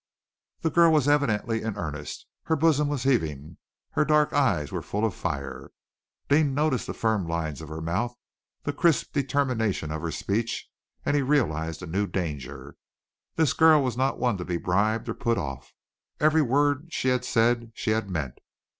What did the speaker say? The girl was evidently in earnest. Her bosom was heaving, her dark eyes were full of fire. Deane noticed the firm lines of her mouth, the crisp determination of her speech, and he realized a new danger. This girl was not one to be bribed or put off. Every word she had said she had meant.